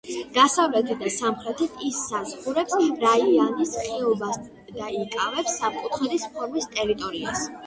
დასავლეთით და სამხრეთით ის საზღვრავს რაინის ხეობას და იკავებს სამკუთხედის ფორმის ტერიტორიას.